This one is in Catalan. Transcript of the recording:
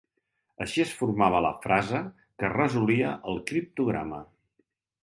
Així es formava la frase que resolia el criptograma.